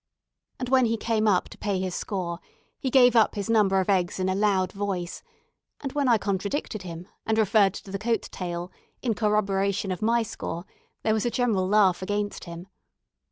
And when he came up to pay his score, he gave up his number of eggs in a loud voice; and when I contradicted him, and referred to the coat tale in corroboration of my score, there was a general laugh against him.